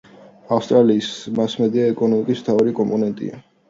ავსტრალიის მასმედია ეკონომიკის მთავარი კომპონენტია.